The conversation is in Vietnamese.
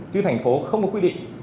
chứ thành phố không có quy định